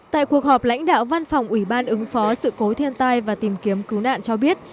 tại cuộc họp lãnh đạo văn phòng ủy ban ứng phó sự cố thiên tai và tìm kiếm cứu nạn cho biết